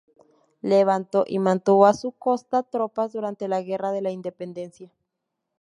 Levantó y mantuvo a su costa tropas durante la Guerra de la Independencia.